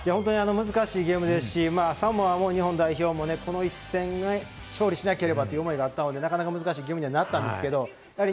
本当に難しいゲームですし、サモア代表も日本代表も、この一戦、勝利しなければという思いがあったので、なかなか難しいゲームになったんですけれども。